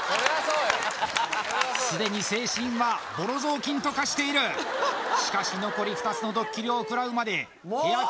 すでに精神はボロ雑巾と化しているしかし残り２つのドッキリをくらうまでもうっ！